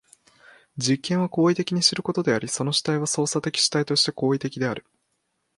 実験は行為的に知ることであり、その主体は操作的主体として行為的である。